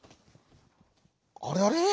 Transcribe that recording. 「あれあれ？